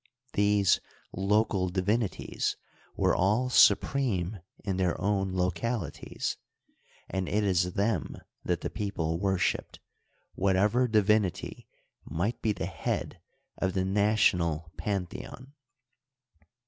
These local divinities were all supreme in their own localities, and it is them that the people worshiped, whatever divinity might be the head of the national pan theon.